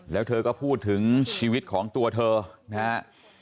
แล้วเธอก็พูดถึงชีวิตของตัวเธอนะครับ